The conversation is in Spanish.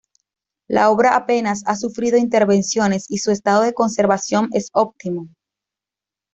La obra apenas ha sufrido intervenciones y su estado de conservación es óptimo.